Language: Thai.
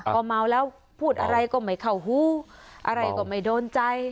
พอเมาแล้วพูดอะไรก็ไม่เข้าหูอะไรก็ไม่โดนใจ